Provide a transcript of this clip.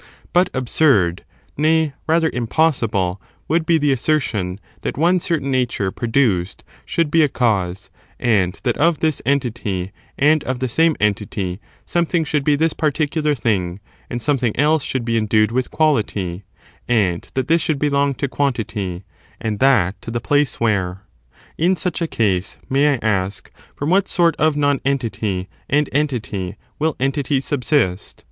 But absurd — nay, rather, impoasible — would be the assertion that one certain nature produced should be a cause, and that of this entity, and of the same entity, something should be this particular thing, and some thing else should be endued with quality, and that this should belong to quantity, and that to the place where. In such a case, may I ask, from what sort of nonentity and entity will entities subsist?